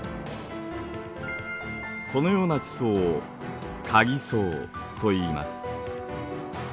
このような地層をかぎ層といいます。